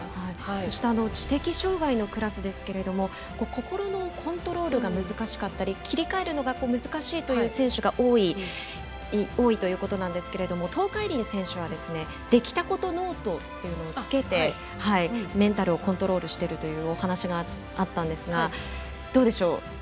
そして知的障がいのクラスですが心のコントロールが難しかったり切り替えるのが難しい選手が多いということですが東海林選手はできたことノートをつけてメンタルをコントロールしているというお話があったんですがどうでしょう。